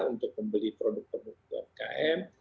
untuk membeli produk produk umkm